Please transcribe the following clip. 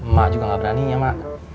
ma juga gak beraninya ma